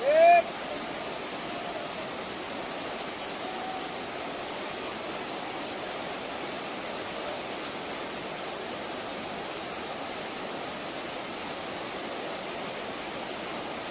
เฮ้ย